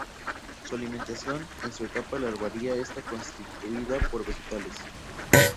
Su alimentación en su etapa larvaria está constituida por vegetales.